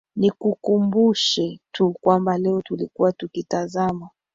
nikukumbushe tu kwamba leo tulikuwa tukitazama